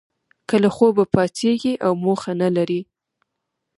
که له خوبه پاڅیږی او موخه نه لرئ